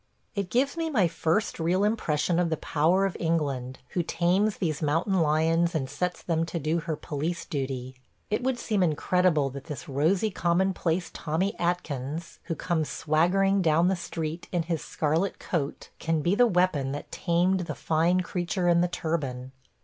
It gives me my first real impression of the power of England, who tames these mountain lions and sets them to do her police duty,. It would seem incredible that this rosy commonplace Tommy Atkins who comes swaggering down the street in his scarlet coat can be the weapon that tamed the fine creature in the turban.